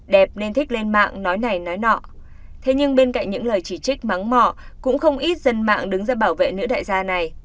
đẹp nên thích lên mạng nói này nói nọ thế nhưng bên cạnh những lời chỉ trích mắng mỏ cũng không ít dân mạng đứng ra bảo vệ nữ đại gia này